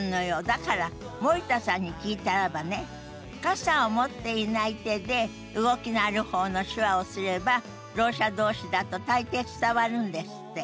だから森田さんに聞いたらばね傘を持っていない手で動きのある方の手話をすればろう者同士だと大抵伝わるんですって。